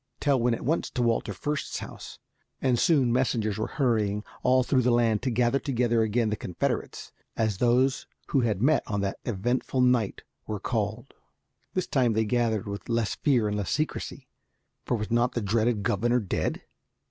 Tell went at once to Walter Fürst's house, and soon messengers were hurrying all through the land to gather together again the Confederates, as those who had met on that eventful night were called. This time they gathered with less fear and less secrecy, for was not the dreaded governor dead?